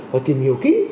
và tìm hiểu kỹ